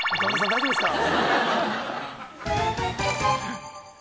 大丈夫ですか？